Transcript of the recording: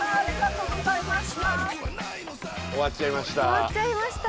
終わっちゃいました。